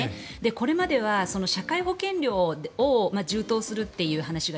これまでは社会保険料を充当するという話が